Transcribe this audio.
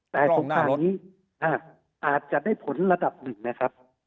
แต่โครงการนี้อาจจะได้ผลระดับหนึ่งนะครับ